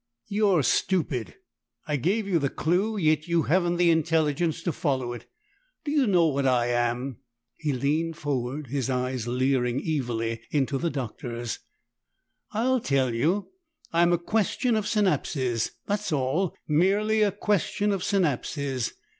"You're stupid; I gave you the clue, yet you hadn't the intelligence to follow it. Do you know what I am?" He leaned forward, his eyes leering evilly into the Doctor's. "I'll tell you. I'm a question of synapses. That's all merely a question of synapses!"